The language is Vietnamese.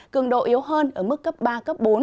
cường độ yếu hơn ở mức cấp ba cấp bốn